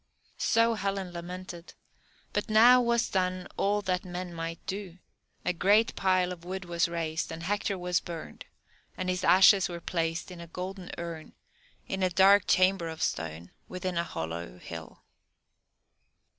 So Helen lamented, but now was done all that men might do; a great pile of wood was raised, and Hector was burned, and his ashes were placed in a golden urn, in a dark chamber of stone, within a hollow hill.